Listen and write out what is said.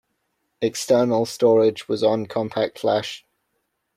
External storage was on CompactFlash.